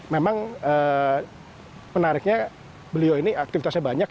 memang menariknya beliau ini aktivitasnya banyak